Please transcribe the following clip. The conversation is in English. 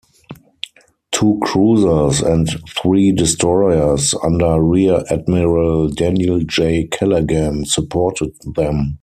Two cruisers and three destroyers under Rear Adm. Daniel J. Callaghan supported them.